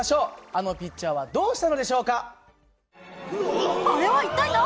あのピッチャーはどうしたのでしょうか？